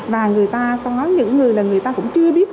và người ta có những người là người ta cũng chưa biết